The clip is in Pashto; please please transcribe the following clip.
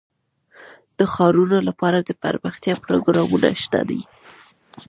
د ښارونو لپاره دپرمختیا پروګرامونه شته دي.